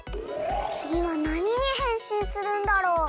つぎはなににへんしんするんだろう。